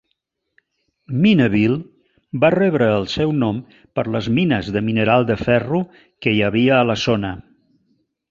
Mineville va rebre el seu nom per les mines de mineral de ferro que hi havia a la zona.